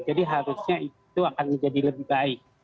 jadi harusnya itu akan menjadi lebih baik